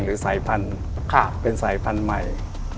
หรือสายพันธุ์เป็นสายพันธุ์ใหม่